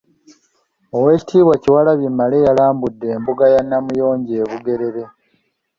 Oweekitiibwa Kyewalabye Male alambudde embuga ya Namuyonjo e Bugerere.